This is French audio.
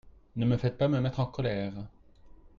Ne me faites pas me mettre en colère.